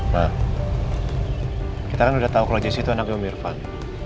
ma kita kan udah tau kalau jessy itu anaknya om irvan